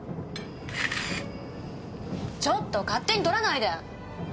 ちょっと勝手に撮らないで！